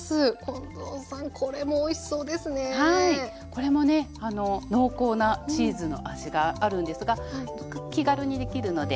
これもね濃厚なチーズの味があるんですが気軽にできるのでおすすめです。